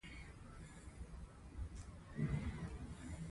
ما هېڅکله چاته بده خبره نه وه کړې